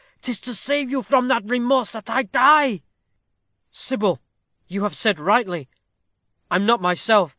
'Tis to save you from that remorse that I die!" "Sybil, you have said rightly, I am not myself.